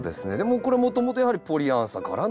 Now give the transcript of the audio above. これもともとやはりポリアンサからの。